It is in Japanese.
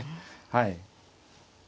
はい。